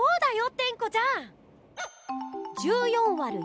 テンコちゃん！